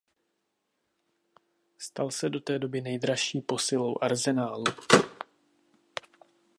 Stal se do té doby nejdražší posilou Arsenalu.